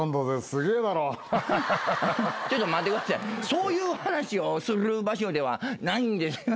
そういう話をする場所ではないんですね。